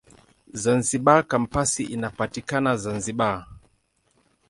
Zanzibar Kampasi inapatikana Zanzibar.